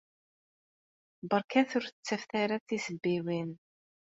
Berkat ur d-ttafet ara tisebbiwin!